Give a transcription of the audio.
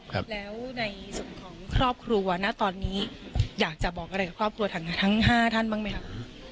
ครับแล้วในส่วนของครอบครัวนะตอนนี้อยากจะบอกอะไรกับครอบครัวทางทั้งห้าท่านบ้างไหมคะ